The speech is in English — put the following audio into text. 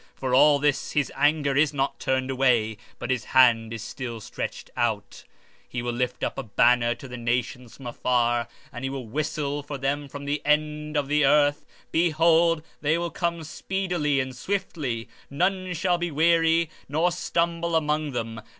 For all this his anger is not turned away, but his hand is stretched out still. 15:26 And he will lift up an ensign to the nations from far, and will hiss unto them from the end of the earth; and behold, they shall come with speed swiftly; none shall be weary nor stumble among them.